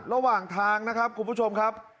ระหว่างทางนะครับคุณผู้ชมครับ